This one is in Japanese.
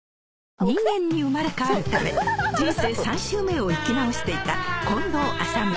人間に生まれ変わるため人生３周目を生き直していた近藤麻美